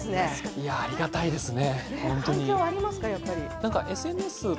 いや、ありがたいですね。